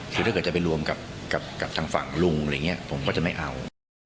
คือถ้าเกิดจะไปรวมกับทางฝั่งลุงอะไรอย่างนี้ผมก็จะไม่เอา